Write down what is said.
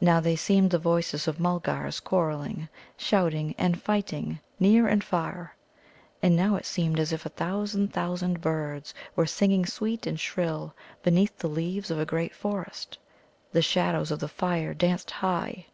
Now they seemed the voices of Mulgars quarrelling, shouting, and fighting near and far; and now it seemed as if a thousand thousand birds were singing sweet and shrill beneath the leaves of a great forest. The shadows of the fire danced high.